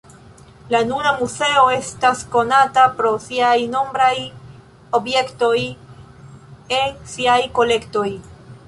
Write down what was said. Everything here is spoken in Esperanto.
La nuna muzeo estas konata pro siaj nombraj objektoj en siaj kolektoj.